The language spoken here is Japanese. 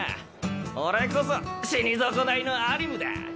俺こそ死に損ないのアリムだ。